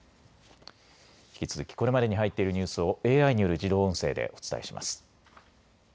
引き続きこれまでに入っているニュースをＡＩによる自動音声でお伝えします。